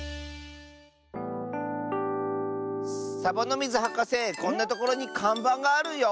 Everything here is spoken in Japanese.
サボノミズはかせこんなところにかんばんがあるよ。